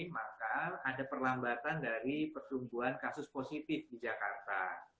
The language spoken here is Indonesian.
maka ada perlambatan dari pertumbuhan kasus positif di jakarta